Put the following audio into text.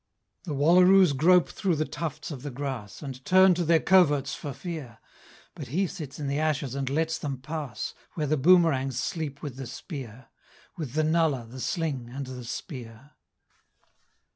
The wallaroos grope through the tufts of the grass, And turn to their coverts for fear; But he sits in the ashes and lets them pass Where the boomerangs sleep with the spear With the nullah, the sling and the spear.